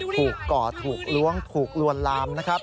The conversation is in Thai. ก่อถูกล้วงถูกลวนลามนะครับ